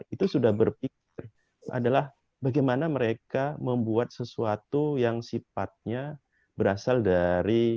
itu sudah berpikir adalah bagaimana mereka membuat sesuatu yang sifatnya berasal dari